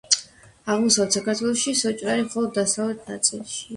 აღმოსავლეთ საქართველოში სოჭნარი მხოლოდ დასავლეთ ნაწილშია.